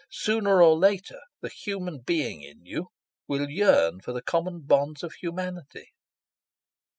Sooner or later the human being in you will yearn for the common bonds of humanity."